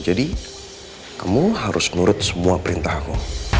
jadi kamu harus menurut semua perintah aku